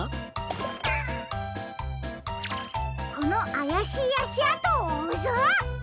このあやしいあしあとをおうぞ！